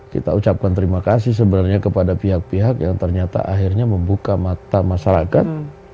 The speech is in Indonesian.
kita ucapkan terima kasih sebenarnya kepada pihak pihak yang ternyata akhirnya membuka mata masyarakat